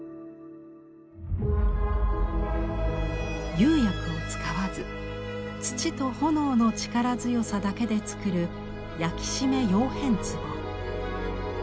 釉薬を使わず土と炎の力強さだけで作る「焼締窯変壺」。